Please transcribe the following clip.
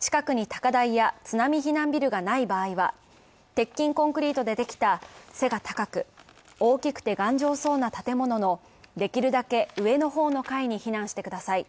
近くに高台や津波避難ビルがない場合は、鉄筋コンクリートでできた背が高く大きくて頑丈そうな建物のできるだけ上の方の階に避難してください